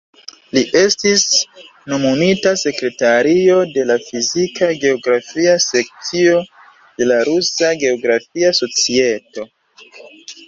Li estis nomumita sekretario de la Fizika Geografia sekcio de la Rusa Geografia Societo.